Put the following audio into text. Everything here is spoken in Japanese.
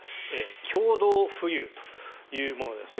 共同富裕というものです。